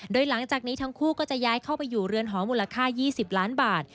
โดยหลังจากนี้ทั้งคู่ก็จะย้ายเข้าไปอยู่เรือนหอมูลค่า๒๐ล้านบาท